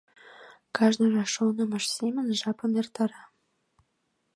Кажныже шонымыж семын жапым эртара.